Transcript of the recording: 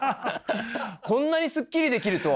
こんなにすっきりできるとは。